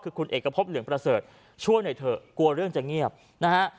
คือคุณเอกพบเหลืองประเสริฐช่วยหน่อยเถอะกลัวเรื่องจะเงียบนะฮะ